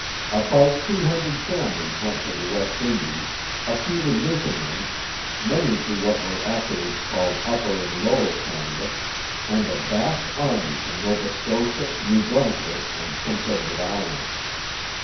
About two hundred families went to the West Indies, a few to Newfoundland, many to what were afterwards called Upper and Lower Canada, and a vast army to Nova Scotia, New Brunswick, and Prince Edward Island.